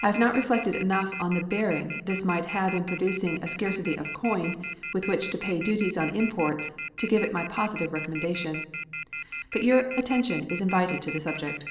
I have not reflected enough on the bearing this might have in producing a scarcity of coin with which to pay duties on imports to give it my positive recommendation. But your attention is invited to the subject.